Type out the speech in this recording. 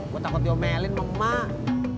gue takut diomelin sama emak